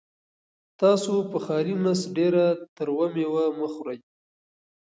تاسو په خالي نس ډېره تروه مېوه مه خورئ.